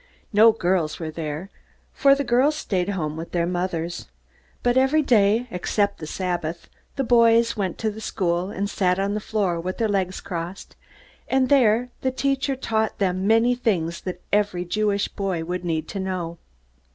No girls were there, for the girls stayed home with their mothers. But every day except the Sabbath, the boys went to the school and sat on the floor with their legs crossed, and there the teacher taught them many things that every Jewish boy would need to know.